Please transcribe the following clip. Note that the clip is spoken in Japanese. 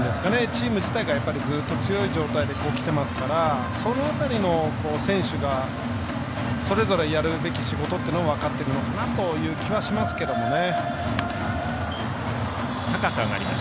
チーム自体がずっと強い状態できてますからその辺りの選手がそれぞれやるべき仕事というのを分かってるのかなという気はしますけどね。